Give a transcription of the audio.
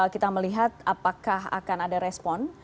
kita melihat apakah akan ada respon